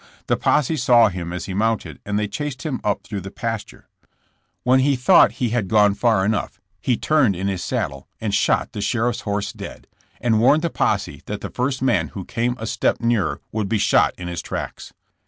The posse saw him as he mounted and they chased him up through the pasture When he thought he had gone far enough he turned in his saddle and shot the sheriff's horse dead and warned the posse that the first man who came a step 68 JKSSK JAMKS. nearer would be shot in his tracks.